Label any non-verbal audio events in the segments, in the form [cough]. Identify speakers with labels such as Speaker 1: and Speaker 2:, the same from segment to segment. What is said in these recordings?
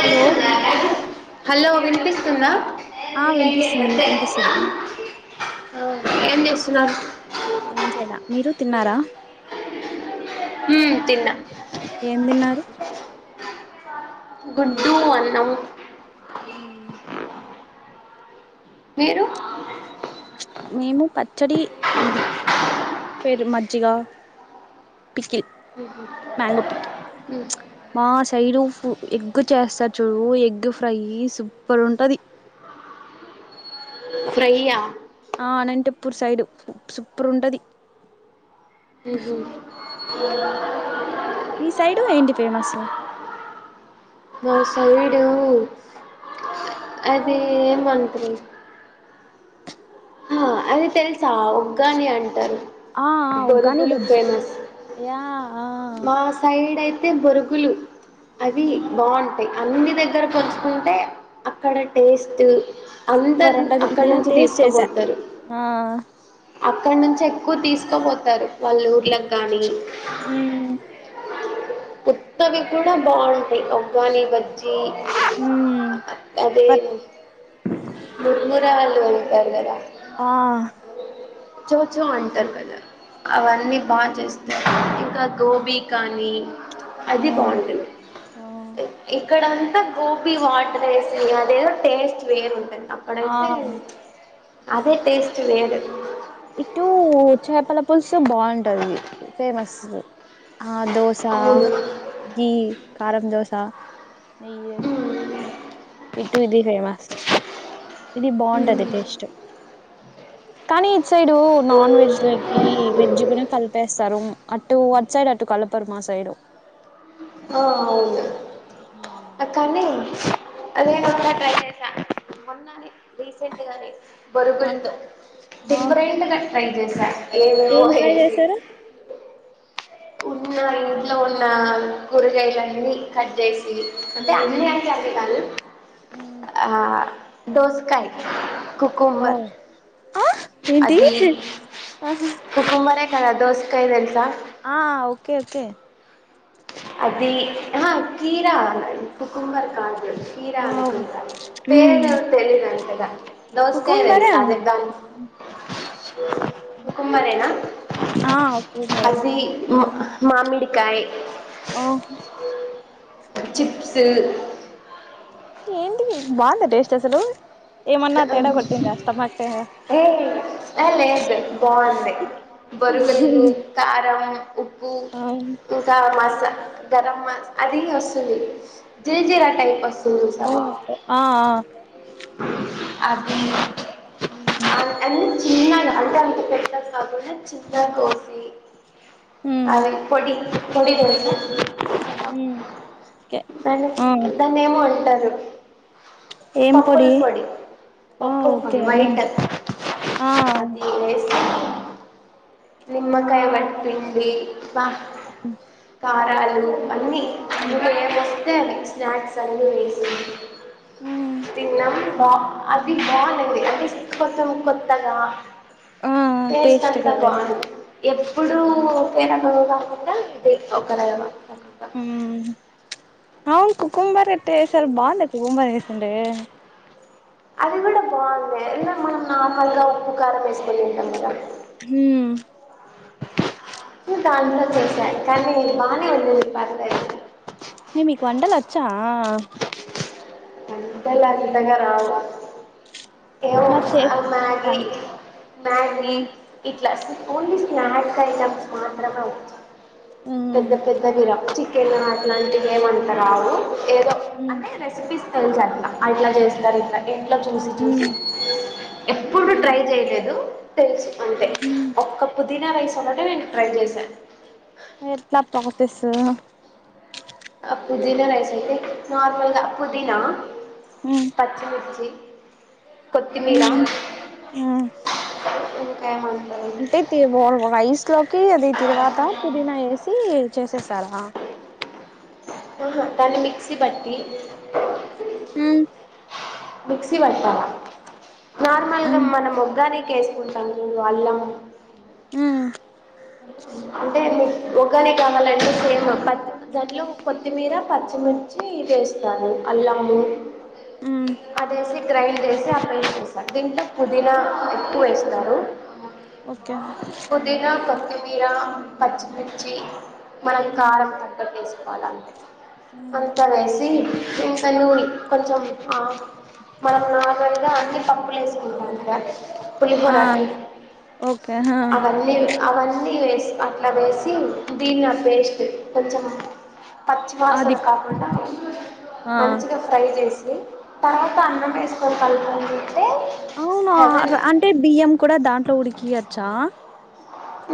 Speaker 1: Hello
Speaker 2: hello వినిపిస్తుందా
Speaker 1: ఆ వినిపిస్తుంది మీకు వినిపిస్తుందా
Speaker 2: ఏం చేస్తున్నారు
Speaker 1: ఏం చేయల మీరు తిన్నారా
Speaker 2: మ్మ్, తిన్నా
Speaker 1: ఏం తిన్నారు
Speaker 2: గుడ్డు అన్నం
Speaker 1: అ
Speaker 2: మీరు
Speaker 1: మేము పచ్చడి ఇది పెరు మజ్జిగ పిస్కెట్ మ్యాంగో పీక్కి మా సైడు తు ఎగ్ చేస్తారు. చూడు ఎగ్ ఫ్రై సూపర్ ఉంటది.
Speaker 2: ఫ్రై య్యా
Speaker 1: ప్పూర్ సైడు సూపర్ ఉంటది. మీ సైడు ఏంటి ఫేమస్
Speaker 2: మా సు కోవిడ్ అది ఏం మంత్ ఆ అది తెలుస ఉగ్గని అంటారు.
Speaker 1: ఆ ఆ ఉగ్గని
Speaker 2: బొరుగులు
Speaker 1: బజ్జి
Speaker 2: ఫేమస్
Speaker 1: యా ఆ
Speaker 2: తే బొరుగులు అవి బాగుంటాయి అన్ని దగ్గర పోలుచుకుంటే అక్కడ టేస్ట్
Speaker 1: సూపర్
Speaker 2: అందరు
Speaker 1: ఉంటది
Speaker 2: అక్కడ
Speaker 1: ఇయర్
Speaker 2: నుంచి
Speaker 1: టేస్ట్
Speaker 2: తీసుకబో
Speaker 1: చేసా ఆ
Speaker 2: అక్కడ నుంచి ఎక్కువ తీసుకపోతారు. వాల్ల ఊర్లకు గానీ
Speaker 1: మ్మ్
Speaker 2: కొత్తవి కూడా బాగుంటాయి. వుగ్గని బజ్జీ ది
Speaker 1: మ్మ్
Speaker 2: అదే
Speaker 1: పర్
Speaker 2: ముముర్రాళ్ళు వంట గదా
Speaker 1: ఆ
Speaker 2: చోచో అంటారు. కదా అవన్నీ బాగా చేస్తారు ఇంకా గోబీ కానీ
Speaker 1: ఆ
Speaker 2: అది బాగుంటుంది. ఇక్కడ గోబీ వాటర్ వేసి అదేదో టేస్ట్ వేరుంటుంది
Speaker 1: ఆ
Speaker 2: అక్కడైతే అదే టేస్ట్ లేదు
Speaker 1: ఇటు చైప్పల్పుల్ సో బాగుంటది ఫేమస్ ఆ దోస
Speaker 2: అవును
Speaker 1: ఘీ కారం దోశ నెయ్యి
Speaker 2: మ్మ్.
Speaker 1: ఇటు ఇది ఫేమస్ ఇది బాగుంటది.
Speaker 2: మ్మ్.
Speaker 1: టేస్ట్ కానీ ఇటు సైడ్ నాన్ వెజ్ లోకి వెజ్ కూడా కలిపే స్తరూ అటు అటు సైడ్ అటు కలపరు మా సైడు
Speaker 2: ఆ అవును ఆ కానీ అదే ట్రై చేస మోనా నే రీసెంట్ గానే
Speaker 1: ఆ
Speaker 2: బొరుగులతో
Speaker 1: ఆ
Speaker 2: డిఫరెంట్గా ట్రై చేశా ఏమేవో
Speaker 1: ఏం
Speaker 2: వసి
Speaker 1: ట్రై చేశారు
Speaker 2: ఉన్న ఇంట్లో ఉన్న కూరగాయలన్నీ కట్ చేసి అంటే అన్ని
Speaker 1: ఉమ్
Speaker 2: ఆంటే అన్ని కధు
Speaker 1: ఉమ్
Speaker 2: ఆ దోస్కాయ
Speaker 1: ఓ
Speaker 2: కుకుమబార్
Speaker 1: ఆ ఏంటి ఆహా
Speaker 2: చాలా దోసకయ టెలుసా
Speaker 1: ఆ ఓకే ఓకే
Speaker 2: అది హా కీరా కుకుంబర కాార్డు క్షీరా
Speaker 1: ఆ
Speaker 2: అనుకుంటా
Speaker 1: ఉమ్
Speaker 2: పేరు తెలిదు అంతగా దోసకాయి
Speaker 1: కుకుంబరే
Speaker 2: టెలుసా అధే కుకుంబార ఎనా
Speaker 1: ఆ కుకుంబరే
Speaker 2: అది మా మామిడికాయ
Speaker 1: ఓహ్
Speaker 2: చిప్సు
Speaker 1: ఏంటి బాగుందా టేస్ట్ అసలు ఏమన్నా తేడా కొట్టిందా స్టమక్ తేడా
Speaker 2: ఏ లేదు బాగుంది బొరుగులు కారం ఉప్పు
Speaker 1: ఆ
Speaker 2: ఇంకా మ గరం అది వస్తుంది జీల్ జిరా టైప్ వస్తు
Speaker 1: ఓ ఆ ఆ
Speaker 2: అది
Speaker 1: ఉమ్
Speaker 2: అవున్ అ చిన్న అంట అకి పెద్దగు చిన్న కోఫీ అే పొడి [unintelligible]
Speaker 1: ఉమ్ ఓకే
Speaker 2: దాన్ని
Speaker 1: ఆ
Speaker 2: దాన్ని ఏమో అంటారు
Speaker 1: ఏం పొడి ఓ
Speaker 2: పప్పుల
Speaker 1: ఒకే
Speaker 2: పొడి వైట్
Speaker 1: ఆ
Speaker 2: అది వేసి నిమ్మకాయ వట్పిిండి వా
Speaker 1: ఇ
Speaker 2: కారాలు
Speaker 1: ఉమ్
Speaker 2: ది అ స్నాక్స్ అన్న వేసి
Speaker 1: ఉమ్
Speaker 2: తిన్నం బా అది బాగునే అంటే కొత్తం కొత్తగా
Speaker 1: ఆ
Speaker 2: టేస్ట్
Speaker 1: టేస్ట్గా
Speaker 2: అంతా
Speaker 1: వర
Speaker 2: బాగుంది ఎప్పుడు పెరు కాకుండా ఇది ఒక ర
Speaker 1: ఉ అవును కుకుంబర్ ఎట్టా చేశారు బాగుంద కుకుంబర్ వేసంటే
Speaker 2: అది కూడా బాగుంది మనం హమల్గా ఉప్పు కారం వేసుకొని తింటాం కదా
Speaker 1: మ్
Speaker 2: [unintelligible] కనీ బానే ఉంది తాటికాయ
Speaker 1: న మీకు వంటలు వచ్చా
Speaker 2: ఇంటలా తంటగరవ
Speaker 1: మరి చే ఓ
Speaker 2: [unintelligible] ప్లాస్ ఓన్లీ స్నాక్స్ ఐటైమ్స్ మాత్రమే పెద్ద
Speaker 1: ఉమ్
Speaker 2: పెద్ద మీరా క నాట్లాంటిగాే ఏవంత రావు ఏదో
Speaker 1: ఉమ్
Speaker 2: అంటే రెసిపీస్ తెలుస అట్లా చేస్తారు ఇట్లా ఇంట్లా చూసి చూసి ఎప్పుడు
Speaker 1: ఉమ్
Speaker 2: ట్రై చేయలేదు తెలుసు అంతే ఒక్క పుదీనా వయసు న్నట న ట్రై చేసాను
Speaker 1: ఎట్లా తొగతెసు
Speaker 2: ఆ పుదినా రైస్ అయితే నార్మల్గా ఆ పుదిిన
Speaker 1: ఉమ్
Speaker 2: పచ్చిమిర్చి కొత్తిమీరా [unintelligible]
Speaker 1: అంటే రైస్ లోకి అది తరువాత పుదీనా వేసి చేసేసారా
Speaker 2: ఆహా తనే మిక్సి పట్టి
Speaker 1: మ్
Speaker 2: మిక్సీ పట్టాల నార్మల్ గా
Speaker 1: ఉమ్
Speaker 2: మనం ఉగ్గానికి కే స్పూన్ చ అల్లం
Speaker 1: ఆ
Speaker 2: అంటే ఉగానే కావాలంటే సేమ్ ప దాంట్లో కొత్తిమీర పచ్చిమిర్చి ఇది వేస్తారు అల్లము
Speaker 1: ఉమ్
Speaker 2: అదేసి గ్రైండ్ చేసి అప్పు వేసేస్తారు దీంట్లో పుదీనా ఎక్కువ వేస్తారు
Speaker 1: ఓకే
Speaker 2: కొత్తిమీరా పచ్చి పిచ్చి మనకి
Speaker 1: ఉమ్
Speaker 2: కారం తగ్గట్టే సీ అన
Speaker 1: ఉమ్
Speaker 2: అంతా కైసి ఇంక నూరి కొంచెం ఆ మనం నాల్ గంద అన్ని అప్పులే సమాధ
Speaker 1: ఆ
Speaker 2: పులిహోరఅండి
Speaker 1: ఓకే హా
Speaker 2: అవన్ని అవన్ని అన్ని వేసి అట్లా వేసి పంచదార వేసి దీన్న అపేస్ట్ కొంచెం పచ్చి వాసన
Speaker 1: అది
Speaker 2: కాకుండా
Speaker 1: ఆ
Speaker 2: మంచిగా ఫ్రై చేసి తర్వాత అన్నం వేసుకొని కలుపండి
Speaker 1: అవును అంటే బియ్యం కూడా దాంట్లో ఉడికియచ్చా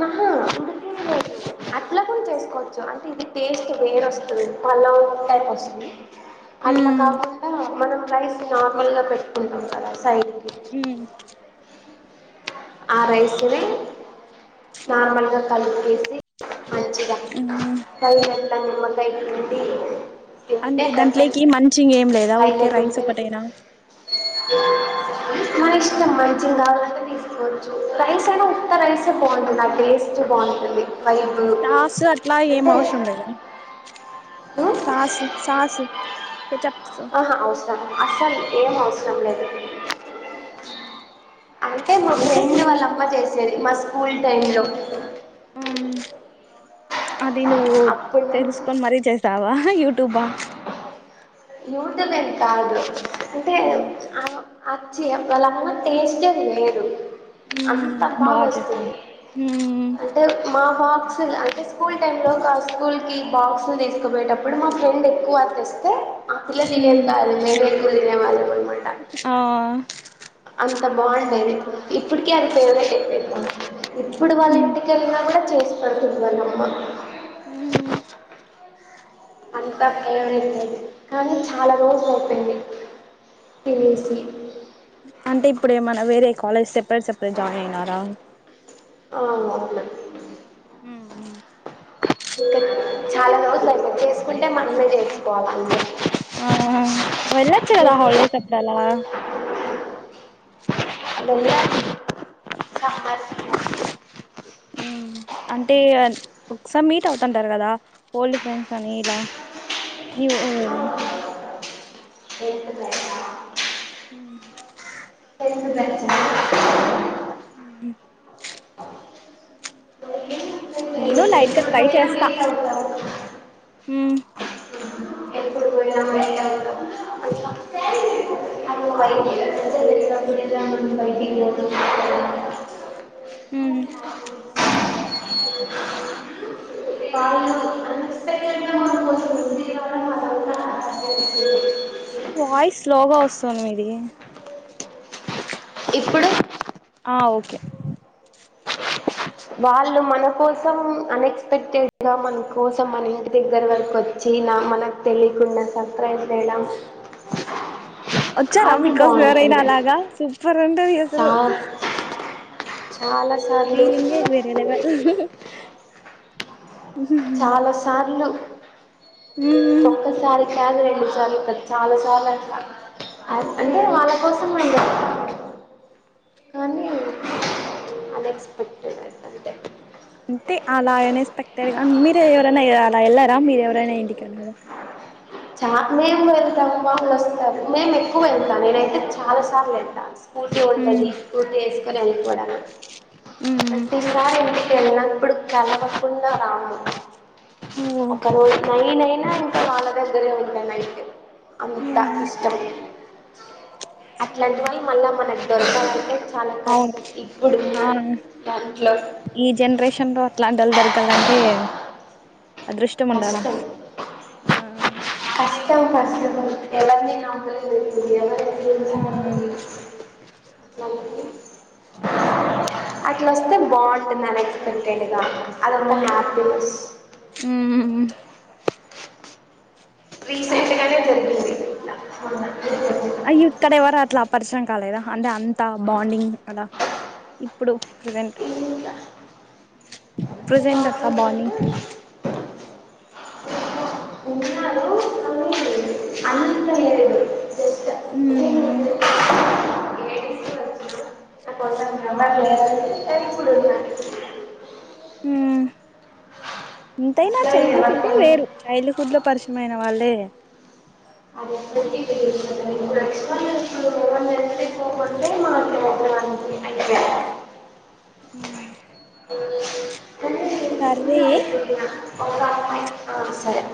Speaker 2: నా అందుకే అట్లా కూడా చేసుకోవచ్చు అంటే ఇది టేస్ట్ వేరు వస్తుంది పలావ్ టైప్ వస్తది అట్లా
Speaker 1: ఉమ్
Speaker 2: కాకుండా మనం రైస్ కి నార్మల్ గా పెట్టుకుంటాం కదా సాైత
Speaker 1: ఉమ్
Speaker 2: ఆ రైస్ని నార్మల్గా కలిపేసి మంచిగా
Speaker 1: ఉమ్
Speaker 2: హరి అం నిమ్మకాయ్ పిండి తింటే
Speaker 1: అంటే
Speaker 2: హెవెన్
Speaker 1: దాంట్లోకి మంచి ఏం లేదా ఊరికే రైస్ ఒకటైనా
Speaker 2: మనిష్టం మించిం కావలంటే కొంచెం రైస్ అయినా ఉత్త రైసే బాగుంటుంది ఆ టేస్ట్ బాగుంటుంది వైబ్
Speaker 1: సాస్ అట్లా ఏం
Speaker 2: అంటే
Speaker 1: అవసరం లేదు
Speaker 2: ఉమ్,
Speaker 1: సాస్ సాస్ కచప్స్
Speaker 2: అ అసలు ఏం అవసరం లేదు అ మ ఫ్రెండ్ వాళ్ల అమ్మ చె చేసేది మా స్కూల్ టైమ్ లో
Speaker 1: అ అది నువ్వు
Speaker 2: అప్పటి నుంచి
Speaker 1: తెలుసుకొని మరీ చేసావా యూటూబా
Speaker 2: యూటలే కాదు
Speaker 1: ఆ
Speaker 2: చ్చి వాళ్ళమ్మ టేస్టే వేరు అంత
Speaker 1: ఉమ్ బా చేస్తావ్
Speaker 2: బాగొస్తుంది
Speaker 1: ఉమ్
Speaker 2: అంటే మా బాక్స్ లు అంటే స్కూల్ టైంలో కా స్కూల్కి బాక్స్ ను తీసుకుపోయేటప్పుడు మా ఫ్రెండ్ ఎక్కువ అ తెస్తే పిల్లల్ని చేబ్
Speaker 1: ఉమ్
Speaker 2: తారుమే కూ దినే వాళ్ళ అంట అ
Speaker 1: ఆ
Speaker 2: అంత బాగుండేది ఇప్పటిక అది ఫె వ్రటే ఇప్పుడు వాళ్ళ
Speaker 1: ఉమ్
Speaker 2: ఇంటికి వెళ్ళినా కూడా చేస్తది వాళ్ళ అమ్మ
Speaker 1: ఊ
Speaker 2: అంత ఫేవరెట్ ప్లేస్ కానీ చాలా రోజులు అయిపోయింది [inaudible]
Speaker 1: అంటే ఇప్పుడేమన్నా వేరే college separate separate join అయినారా
Speaker 2: [inaudible]
Speaker 1: ఊ ఊ
Speaker 2: ఇంకా చాలా రోజులు [inaudible] చేసుకుంటే మనమే చేసుకోవాలి
Speaker 1: [unintelligible] వెళ్ళొచ్చు కదా హాలిడేస్ అప్పుడలా
Speaker 2: [inaudible]
Speaker 1: మ్ అంటే ఒకసారి మీట్ అవుతుంటారు, కదా ఓల్డ్ ఫ్రెండ్స్ అని ఇలా ఇవ్ అది
Speaker 2: టెన్త్ బ్యాచ్
Speaker 1: మ్
Speaker 2: టెన్త్ బ్యాచ్
Speaker 1: నీను లైట్గా
Speaker 2: ఇప్పుడు
Speaker 1: ట్రై
Speaker 2: పోయినా
Speaker 1: చేస్తా
Speaker 2: లేట్ అవుతాము ఎప్పుడు పోయినా బయట ఉంటాం. [inaudible]
Speaker 1: మ్
Speaker 2: వాళ్ళు గా మన కోసం ఉంది కాబట్టి మనం కూడా
Speaker 1: వాయిస్ స్లోగా వస్తుంది
Speaker 2: ఇప్పుడు
Speaker 1: ఆ ఓకే
Speaker 2: వాళ్ళు మన కోసం అన్ఎక్స్పెక్టెడ్ గా మన కోసం మన ఇంటి దగ్గర వరకు వచ్చి, నా మనకు తెలియకుండా సర్ప్రైజ్ చేయడం
Speaker 1: వచ్చారా
Speaker 2: అది
Speaker 1: బికాస్ వేరైనా అలాగా సూపర్ అంటే
Speaker 2: చ
Speaker 1: ఫీలింగె వేరె లెవల్
Speaker 2: చాల సార్లు
Speaker 1: ఊహు
Speaker 2: కాదు రెండు సార్లు చాల సార్లు అంట అంటే నె
Speaker 1: అవు
Speaker 2: వాళ్ళ కోసం అండి కానీ అనెక్స్పెడ్ అ అంటే
Speaker 1: అంటె అలా ఎనెస్పెక్టెడ్గ మీరు ఎవరైనా అలా వెళ్ళారా మీరు ఎవరైనా ఇంటికి వెళ్ళారా
Speaker 2: చా మేము వెళ్తాము మామలు వస్తున్నారు మేము ఎక్కువ వెళ్తాం నేనైతే చాల సార్లు వెళ్తాను స్కూర్తి ఉంటది స్కూటీ ఒక అనిపోడ ప్రతిసార్ ఎంటికళ్న్నా ఇప్పుడు కలవకుండా రాము
Speaker 1: ఓ
Speaker 2: ఒక రోజు [unintelligible] వాల్ల గళ్ గళ్లు ఉండ నయిట్ అంతా ఇష్టం అట్లాంటి వన్ని మళ్ళా మనకి [unintelligible]
Speaker 1: అవు అవును
Speaker 2: దాంట్లో
Speaker 1: ఈ జెన్రేషన్ లో అట్లాంటోల్లు దొరకాలంటే అదృష్టం ఉండాలా
Speaker 2: కష్టం
Speaker 1: ఆ
Speaker 2: కష్ తోని కష్టం ఎలా [unintelligible] [unintelligible] మళ్లీ అట్లాొస్తే బాగుంటుందని ఎనెక్స్పెక్టెడ్గ అదొకటి
Speaker 1: అవును
Speaker 2: నాక్ తెల్స్
Speaker 1: ఉమ్
Speaker 2: రీసెంట్గానే జరిగింది
Speaker 1: అయ్యో ఇత్తడ ఎవరాట్ల పరిచయం కాలేదా అంటే అంత బాండింగ్ అద ఇప్పుడు ప్రిజెంట్ ప్రెజెంట్ అక్క బాన్నింగ్
Speaker 2: ఇంకా ఇన్నడుగు [unintelligible]
Speaker 1: ఊ
Speaker 2: నేను [unintelligible] అంటె ఇప్పుడు
Speaker 1: ఇంతైనా
Speaker 2: అసలు నేను
Speaker 1: చైల్డ్ హుడ్ే
Speaker 2: ఎవరికన్నా
Speaker 1: వేరు చైల్డ్ హుడ్ లో పరిచయమైన వాళ్ళే
Speaker 2: అది అందరికి తెలుసు మరి ఇప్పుడ [unintelligible]
Speaker 1: ఉమ్
Speaker 2: అదే
Speaker 1: కర్వి
Speaker 2: సరె